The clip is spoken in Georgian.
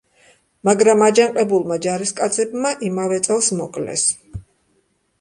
მაგრამ აჯანყებულმა ჯარისკაცებმა იმავე წელს მოკლეს.